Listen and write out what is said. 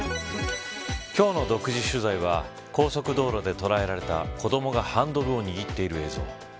今日の独自取材は高速道路で捉えられた子どもがハンドルを握っている映像。